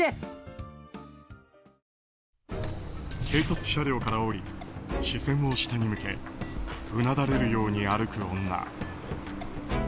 警察車両から降り視線を下に向けうなだれるように歩く女。